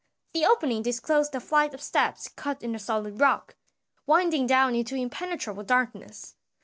The opening disclosed a flight of steps cut in the solid rock, winding down into impenetrable darkness.